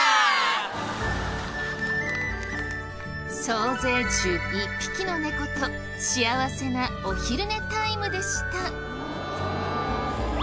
総勢１１匹のネコと幸せなお昼寝タイムでした。